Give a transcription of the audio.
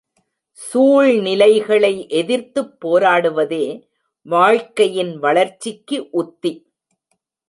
சூழ்நிலைகளை எதிர்த்துப் போராடுவதே வாழ்க்கையின் வளர்ச்சிக்கு உத்தி.